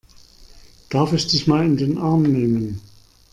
Darf ich dich mal in den Arm nehmen?